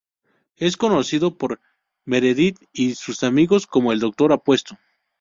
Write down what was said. Es conocido por Meredith y sus amigos como ¨El doctor apuesto¨.